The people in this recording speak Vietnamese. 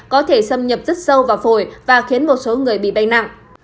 có thể xâm nhập rất sâu vào phổi và khiến một số người bị bệnh nặng